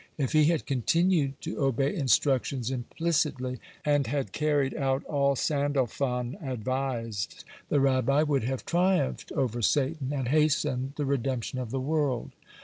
If he had continued to obey instructions implicitly, and had carried out all Sandalphon advised, the Rabbi would have triumphed over Satan and hastened the redemption of the world.